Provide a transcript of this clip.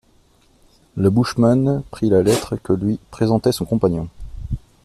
Le bushman prit la lettre que lui présentait son compagnon.